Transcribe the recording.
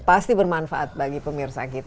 pasti bermanfaat bagi pemirsa kita